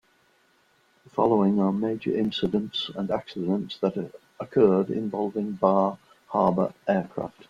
The following are major incidents and accidents that occurred involving Bar Harbor aircraft.